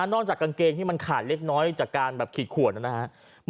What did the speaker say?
จากกางเกงที่มันขาดเล็กน้อยจากการแบบขีดขวดนะครับ